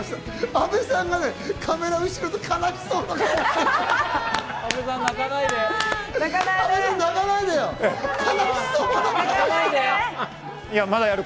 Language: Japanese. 阿部さんがね、カメラ後ろで悲しそうな顔してる。